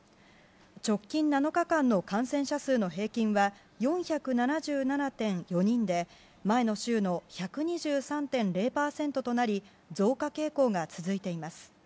直近７日間の感染者数の平均は４７７．４人で前の週の１２３．０％となり増加傾向が続いています。